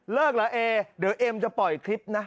เหรอเอเดี๋ยวเอ็มจะปล่อยคลิปนะ